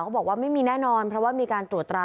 บอกว่าไม่มีแน่นอนเพราะว่ามีการตรวจตรา